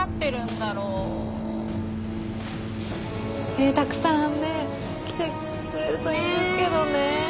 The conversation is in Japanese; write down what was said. えたくさんね来てくれるといいんですけどね。